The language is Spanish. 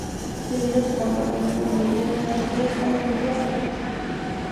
Debido a su comportamiento militar en las batallas fue ascendido a sargento mayor.